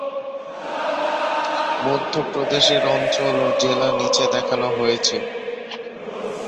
মধ্য প্রদেশের অঞ্চল ও জেলা নিচে দেখানো হয়েছে।